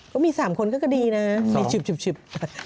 ก็มี๓คนก็ดีนะมีชิบ